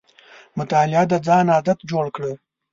مطالعه د ځان عادت جوړ کړه.